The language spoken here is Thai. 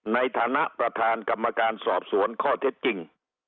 ในฐานะประธานกรรมการสอบสวนข้อเท็จจริง